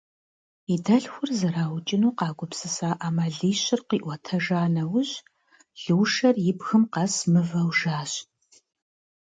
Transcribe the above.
И дэлъхур зэраукӏыну къагупсыса ӏэмалищыр къиӏуэтэжа нэужь, Лушэр и бгым къэс мывэу жащ.